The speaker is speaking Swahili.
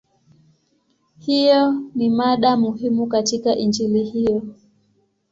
Hiyo ni mada muhimu katika Injili hiyo.